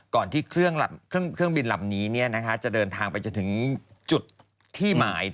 ก่อนที่เครื่องบินลำนี้จะเดินทางไปจนถึงจุดที่หมาย